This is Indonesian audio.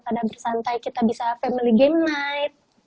pada bersantai kita bisa family game night